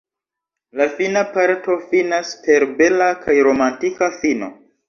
La fina parto finas per bela kaj romantika fino.